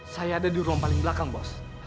saya ada di ruang paling belakang bos